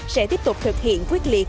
sẽ tiếp tục thực hiện quyết liệt